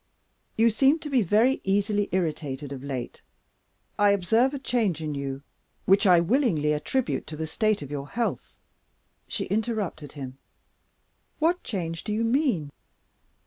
You seem to be very easily irritated of late. I observe a change in you, which I willingly attribute to the state of your health " She interrupted him. "What change do you mean?"